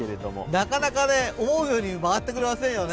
なかなか、思うように回ってくれませんよね。